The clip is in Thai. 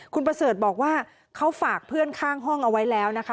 คุณประเสริฐบอกว่าเขาฝากเพื่อนข้างห้องเอาไว้แล้วนะคะ